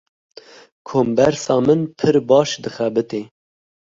Kombersa min pir baş dixebite.